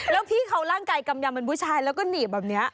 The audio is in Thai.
แล้วพี่เขาร่างกายกำยำเป็นผู้ชายแล้วก็หนีบแบบนี้